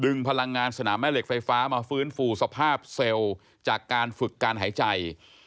พลังงานสนามแม่เหล็กไฟฟ้ามาฟื้นฟูสภาพเซลล์จากการฝึกการหายใจ